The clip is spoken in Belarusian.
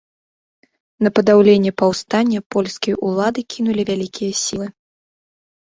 На падаўленне паўстання польскія ўлады кінулі вялікія сілы.